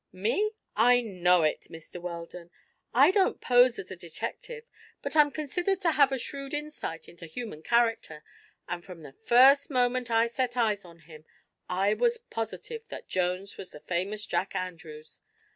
"Me? I know it, Mr. Weldon. I don't pose as a detective, but I'm considered to have a shrewd insight into human character, and from the first moment I set eyes on him I was positive that Jones was the famous Jack Andrews.